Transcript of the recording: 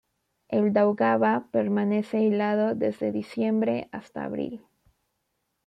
El Daugava permanece helado desde diciembre hasta abril.